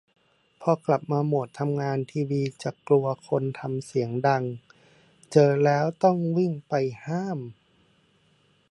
พอกลับมาโหมดทำงานทีวีจะกลัวคนทำเสียงดัง เจอแล้วต้องวิ่งไปห้าม